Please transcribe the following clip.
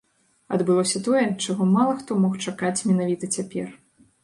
Адбылося тое, чаго мала хто мог чакаць менавіта цяпер.